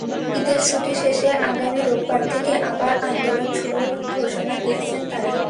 ঈদের ছুটি শেষে আগামী রোববার থেকে আবার আন্দোলন শুরুর ঘোষণা দিয়েছেন তাঁরা।